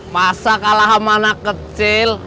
masa kalah mana kecil